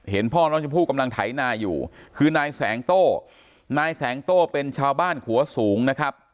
พ่อน้องชมพู่กำลังไถนาอยู่คือนายแสงโต้นายแสงโต้เป็นชาวบ้านขัวสูงนะครับ